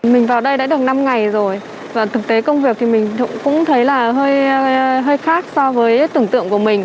mình vào đây đã được năm ngày rồi và thực tế công việc thì mình cũng thấy là hơi khác so với tưởng tượng của mình